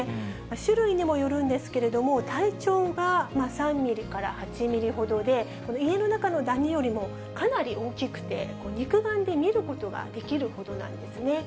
種類にもよるんですけれども、体長が３ミリから８ミリほどで、家の中のダニよりもかなり大きくて、肉眼で見ることができるほどなんですね。